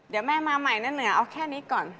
เดี๋ยวแม่มาใหม่นะเหนือเอาแค่นี้ก่อน